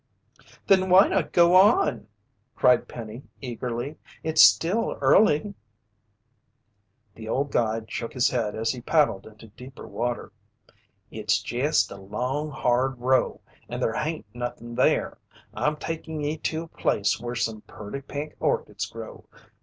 "Then why not go on?" cried Penny eagerly. "It's still early." The old guide shook his head as he paddled into deeper water. "It's jest a long, hard row and there hain't nothin' there. I'm takin' ye to a place where some purty pink orchids grow.